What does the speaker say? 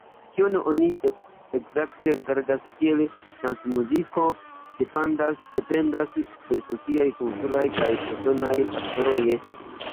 Kion oni ekzakte rigardas kiel dancmuziko, dependas de sociaj, kulturaj kaj personaj faktoroj.